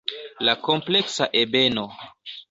La kompleksa ebeno.